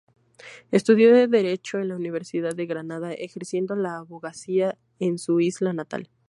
Estudió Derecho en la Universidad de Granada, ejerciendo la abogacía en su isla natal.